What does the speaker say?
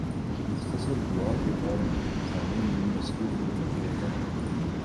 مختصر دعا کے بعد لوگ کھانے میں مصروف ہو جاتے ہیں۔